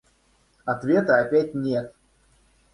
Ответа опять нет!